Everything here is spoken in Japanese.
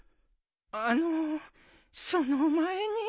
あのうその前に。